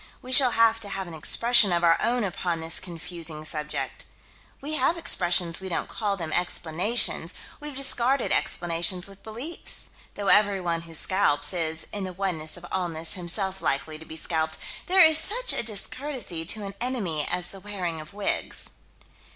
We shall have to have an expression of our own upon this confusing subject. We have expressions: we don't call them explanations: we've discarded explanations with beliefs. Though everyone who scalps is, in the oneness of allness, himself likely to be scalped, there is such a discourtesy to an enemy as the wearing of wigs.